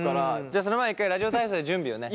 じゃあその前に一回ラジオ体操で準備をね。